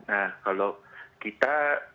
nah kalau kita